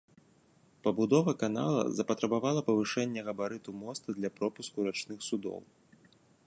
Пабудова канала запатрабавала павышэння габарыту моста для пропуску рачных судоў.